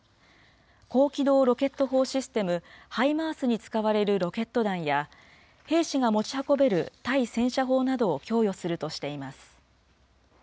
高機能ロケット砲システム、ハイマースに使われるロケット弾や、兵士が持ち運べる対戦車砲などを供与するとしています。